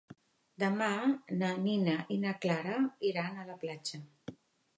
Demà na Nina i na Clara iran a la platja.